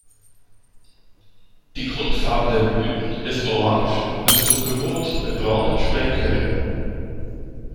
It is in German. Die Grundfarbe der Blüten ist orange bis dunkelrot mit braunen Sprenkeln.